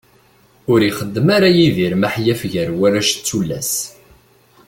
Ur ixeddem ara Yidir maḥyaf gar warrac d tullas.